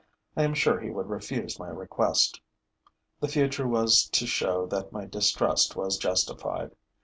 I am sure he would refuse my request.' The future was to show that my distrust was justified.